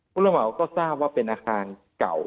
ผู้รับเหมาก็ทราบว่าเป็นอาคารเก่า